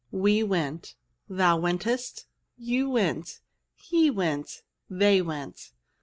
We went. Thou wentest. You went He went. They went.